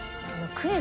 クイズ？